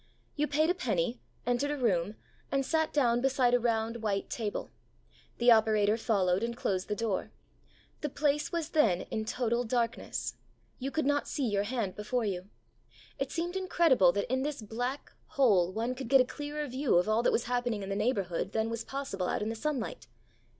You paid a penny, entered a room, and sat down beside a round white table. The operator followed, and closed the door. The place was then in total darkness; you could not see your hand before you. It seemed incredible that in this black hole one could get a clearer view of all that was happening in the neighbourhood than was possible out in the sunlight.